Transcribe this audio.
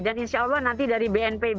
dan insya allah nanti dari bnpb